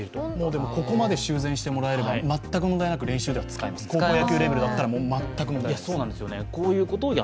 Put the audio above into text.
でも、ここまで修繕してもらえれば、全く問題なく練習では使えます、高校野球レベルだったら全く問題なく。